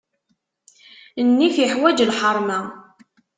Nnif iḥwaǧ lḥeṛma.